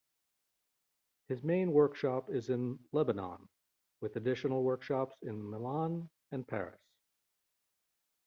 His main workshop is in Lebanon, with additional workshops in Milan and Paris.